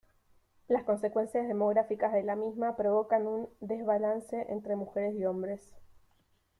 Las consecuencias demográficas de la misma provocan un desbalance entre mujeres y hombres.